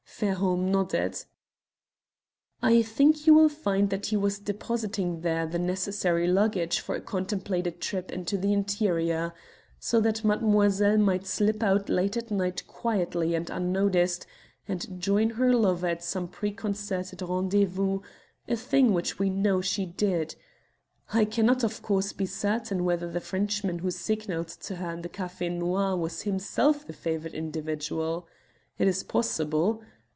Fairholme nodded. "I think you will find that he was depositing there the necessary luggage for a contemplated trip into the interior, so that Mademoiselle might slip out late at night quietly and unnoticed and join her lover at some preconcerted rendezvous, a thing which we now know she did. I cannot, of course, be certain whether the Frenchman who signalled to her in the Café Noir was himself the favoured individual. It is possible.